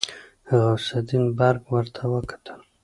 غوث الدين برګ ورته وکتل.